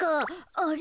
あれ？